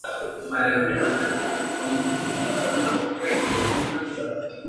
Empezó a escribir cuando solamente tenía catorce años.